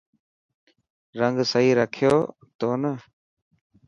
رنگ سهي رکيو تو نه.